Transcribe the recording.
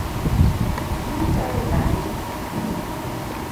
Bii kae saa ni